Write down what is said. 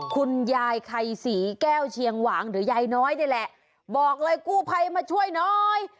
คุณยายไข่ศรีแก้วเชียงหวางหรือยายน้อยนี่แหละบอกเลยกู้ภัยมาช่วยน้อย